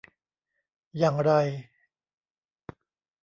อย่างไร ?